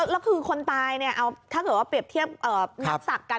แล้วคือคนตายเนี่ยเอาถ้าเกิดว่าเปรียบเทียบนักศักดิ์กัน